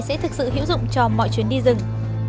sẽ thực sự hữu dụng cho mọi chuyến đi rừng